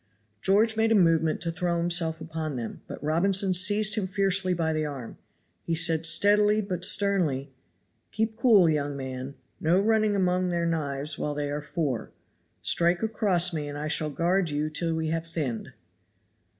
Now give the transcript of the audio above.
George made a movement to throw himself upon them; but Robinson seized him fiercely by the arm he said steadily but sternly, "Keep cool, young man no running among their knives while they are four. Strike across me and I shall guard you till we have thinned."